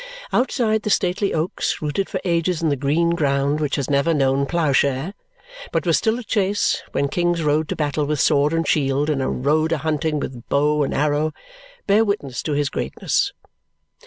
Outside, the stately oaks, rooted for ages in the green ground which has never known ploughshare, but was still a chase when kings rode to battle with sword and shield and rode a hunting with bow and arrow, bear witness to his greatness.